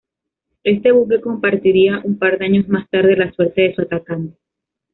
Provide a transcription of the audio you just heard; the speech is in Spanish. Este buque compartiría un par de años más tarde la suerte de su atacante.